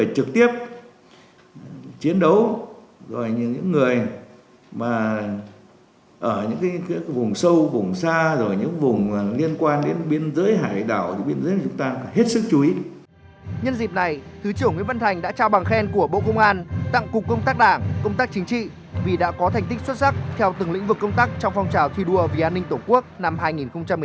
thứ trưởng nguyễn văn thành đã trao bằng khen của bộ công an tặng cục công tác đảng công tác chính trị vì đã có thành tích xuất sắc theo từng lĩnh vực công tác trong phong trào thi đua vì an ninh tổng quốc năm hai nghìn một mươi tám